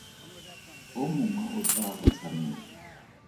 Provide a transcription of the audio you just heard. O mongwe o tla go tshameka.